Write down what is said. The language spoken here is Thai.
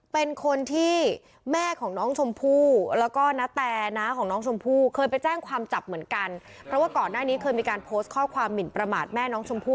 เพราะว่าก่อนหน้านี้เคยมีการโพสต์ข้อความหมิ่นประมาทแม่น้องชมพู่